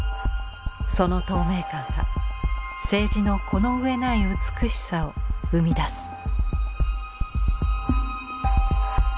その透明感が青磁のこの上ない美しさを生み出す。